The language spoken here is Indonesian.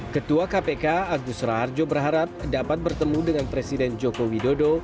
ketua kpk agus raharjo berharap dapat bertemu dengan presiden joko widodo